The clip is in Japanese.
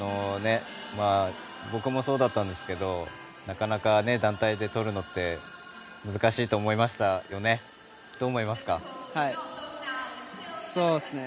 僕もそうだったんですがなかなか団体でとるのって難しいと思いましたよね。